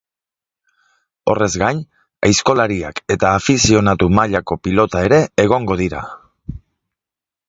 Horrez gain, aizkolariak eta afizionatu mailako pilota ere egongo dira.